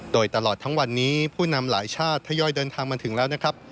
โดยตลอดทั้งวันนี้ผู้นำหลายชาติทยอยเดินทางมาถึงแล้วนะครับ